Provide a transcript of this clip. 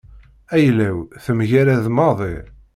Ayla-w temgarad maḍi.